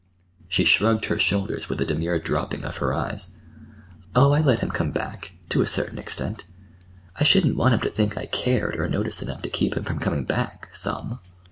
She shrugged her shoulders with a demure dropping of her eyes. "Oh, I let him come back—to a certain extent. I shouldn't want him to think I cared or noticed enough to keep him from coming back—some."